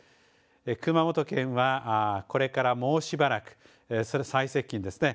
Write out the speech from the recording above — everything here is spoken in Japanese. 熊本県はこれから、もうしばらく、最接近ですね。